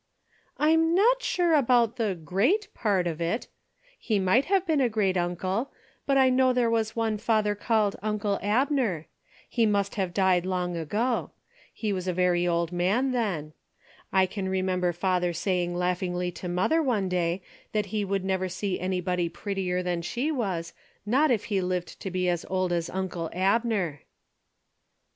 " I'm not sure about the ' great ' part of it. He might have been a great uncle, but I know there was one father called uncle Abner. He must have died long ago. He was a very old 44 A DAILY BATE.^' man then. I can remember father saying laughingly to mother one day that he would never see anybody prettier than she was, not if he lived to be as old as uncle Abner."